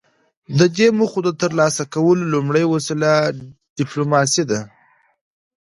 د دې موخو د ترلاسه کولو لومړۍ وسیله ډیپلوماسي ده